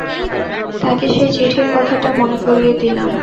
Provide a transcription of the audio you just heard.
তাকে সেই চিঠির কথাটা মনে করিয়ে দিলাম।